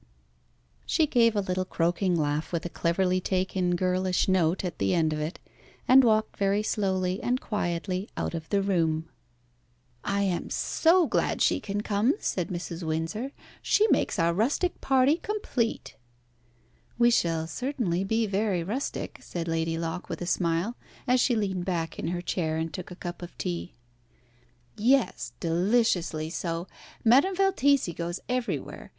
She gave a little croaking laugh with a cleverly taken girlish note at the end of it, and walked very slowly and quietly out of the room. "I am so glad she can come," said Mrs. Windsor. "She makes our rustic party complete." "We shall certainly be very rustic," said Lady Locke, with a smile, as she leaned back in her chair and took a cup of tea. "Yes, deliciously so. Madame Valtesi goes everywhere.